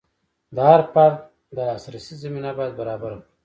د هر فرد د لاسرسي زمینه باید برابره کړو.